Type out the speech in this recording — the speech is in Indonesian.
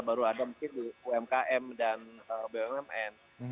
baru ada mungkin umkm dan bumn